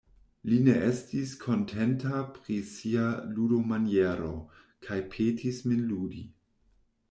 Li ne estis kontenta pri sia ludomaniero kaj petis min ludi.